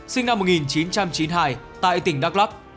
sinh năm một nghìn chín trăm chín mươi hai tại tỉnh đắk lắc